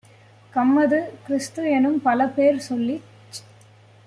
கம்மது, கிறிஸ்து-எனும் பலபேர் சொல்லிச்